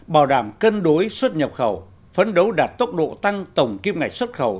bảo đảm cân đối xuất nhập khẩu phấn đấu đạt tốc độ tăng tổng kim ngạch xuất khẩu